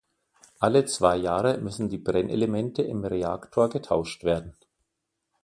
Alle zwei Jahre müssen die Brennelemente im Reaktor getauscht werden.